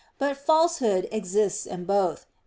But falsehood exists in both.